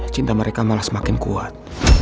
cinta mereka malah semakin kuat